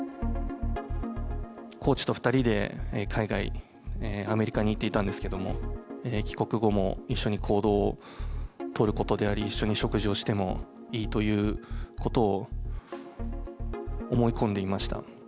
コーチと２人で海外、アメリカに行っていたんですけれども、帰国後も一緒に行動を取ることであり、一緒に食事をしてもいいということを思い込んでいました。